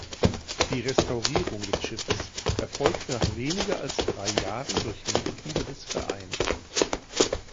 Die Restaurierung des Schiffes erfolgte nach weniger als drei Jahren durch Mitglieder des Vereins.